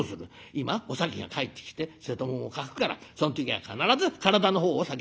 「今お崎が帰ってきて瀬戸物を欠くからその時は必ず体の方を先に聞いてやってくれ」。